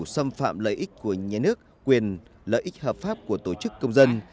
xâm phạm lợi ích của nhà nước quyền lợi ích hợp pháp của tổ chức công dân